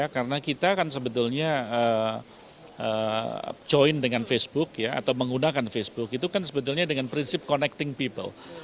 karena kita kan sebetulnya join dengan facebook atau menggunakan facebook itu kan sebetulnya dengan prinsip connecting people